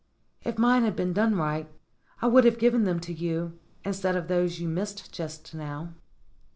"If mine had been done right I would have given them to you, instead of those you missed just now."